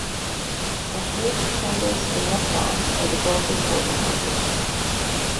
Ashmead, Chandos and Westal are the girls' boarding houses.